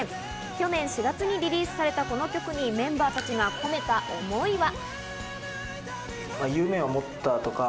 去年４月にリリースされたこの曲にメンバーたちが込めた思いは？